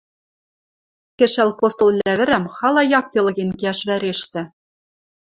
Кӹшӓл постол лявӹрӓм хала якте лыген кеӓш вӓрештӹ.